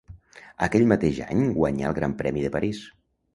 Aquell mateix any guanyà el Gran Premi de París.